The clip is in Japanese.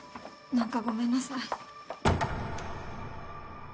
なんかごめんなさい。